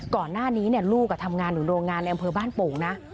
ก่อนหน้านี้ลูกทำงานอยู่โรงงานในอำเภอบ้านโป่งนะ